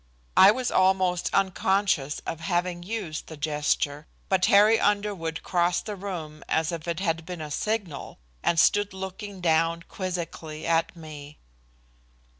I was almost unconscious of having used the gesture. But Harry Underwood crossed the room as if it had been a signal, and stood looking down quizzically at me.